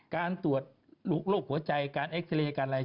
การตรวจโรคหัวใจการเอ็กซาเรย์การอะไร